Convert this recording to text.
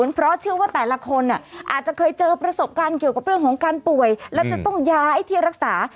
เพราะเชื่อว่าแต่ละคนอาจจะเคยเจอประสบการณ์เกี่ยวกับเรื่องของการป่วยและจะต้องย้ายที่รักษา